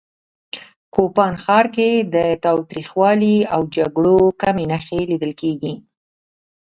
کوپان ښار کې د تاوتریخوالي او جګړو کمې نښې لیدل کېږي